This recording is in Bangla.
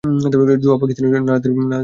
জোয়া পাকিস্তানি নার্সদের বাঁচাতে চায়।